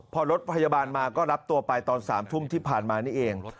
พอรถพยาบาลมาก็รับตัวไปตอน๓ทุ่มที่ผ่านมานี่เอง